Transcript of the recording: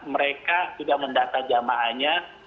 mereka sudah mendata jamaahnya